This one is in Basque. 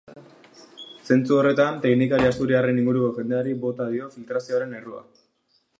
Zentzu horretan, teknikari asturiarraren inguruko jendeari bota dio filtrazioaren errua.